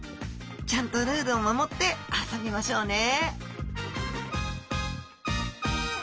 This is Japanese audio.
ちゃんとルールを守って遊びましょうね！